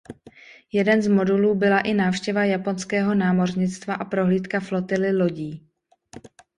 Jeden z modulů byla i návštěva japonského námořnictva a prohlídka flotily lodí.